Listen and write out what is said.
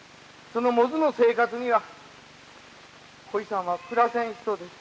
その百舌の生活にはこいさんは暮らせん人です。